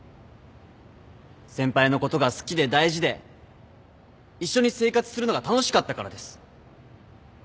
先輩のことが好きで大事で一緒に生活するのが楽しかったからです。